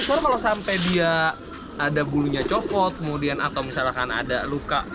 soalnya kalau sampai dia ada bulunya copot kemudian atau misalkan ada luka